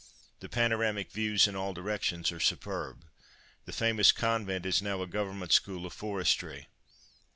The panoramic views in all directions are superb. The famous convent is now a Government School of Forestry.